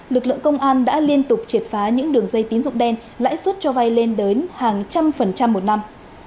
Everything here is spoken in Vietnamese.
lực lượng công an đã liên tục triệt phá những đường dây tín dụng đen lãi suất cho vay lên đến hàng trăm một năm